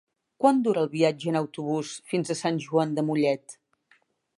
Quant dura el viatge en autobús fins a Sant Joan de Mollet?